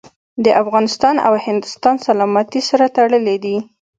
د افغانستان او هندوستان سلامتي سره تړلي دي.